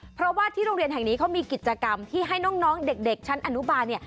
เพราะว่าที่โรงเรียนแห่งนี้เขามีกิจกรรมที่ให้น้องเด็กชั้นอนุบาล